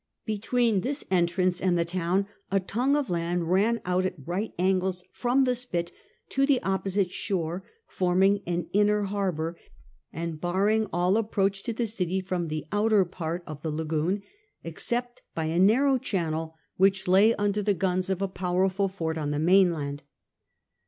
II ■ ■III I ■■■ I mill— Between this entrance and the town a tongue of land ran out at right angles from the spit to the opposite shore, forming an inner harbour and barring all approach to the city from the outer part of the lagoon, except by a narrow channel which lay under the guns of a power ful fort on the mainland.